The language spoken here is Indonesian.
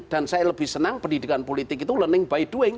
dan saya lebih senang pendidikan politik itu learning by doing